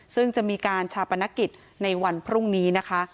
ซึ่งจะมีการชาปนกิจในวันพรุ่งนี้นะคะ